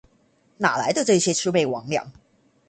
哪來的這些魑魅魍魎？